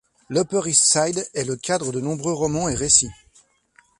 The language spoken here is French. L'Upper East Side est le cadre de nombreux romans et récits.